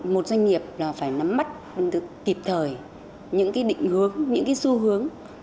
một doanh nghiệp là phải nắm mắt kịp thời những định hướng những xu hướng